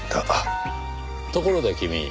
ところで君